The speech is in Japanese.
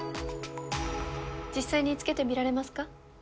実際に着けてみられますか？